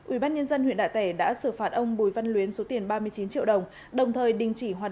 ubnd huyện đạ tẻ đã xử phạt ông bùi văn luyến số tiền ba mươi chín triệu đồng đồng thời đình chỉ hoạt